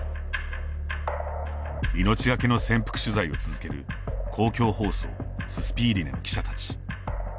命がけの潜伏取材を続ける公共放送ススピーリネの記者たち。